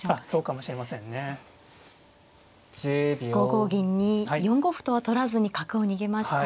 ５五銀に４五歩とは取らずに角を逃げました。